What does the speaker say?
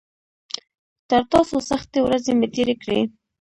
تر تاسو سختې ورځې مې تېرې کړي.